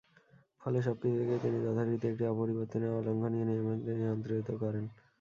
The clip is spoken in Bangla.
ফলে সব কিছুকে তিনি যথারীতি একটি অপরিবর্তনীয় ও অলংঘনীয় নিয়মে নিয়ন্ত্রণ করেন।